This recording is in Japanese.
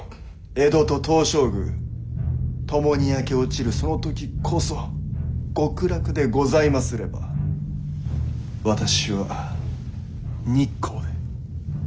江戸と東照宮ともに焼け落ちるその時こそ極楽でございますれば私は日光で。